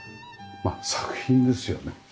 まあ作品ですよね。